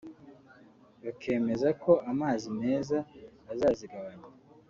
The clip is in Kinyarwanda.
bakemeza ko amazi meza azazigabanya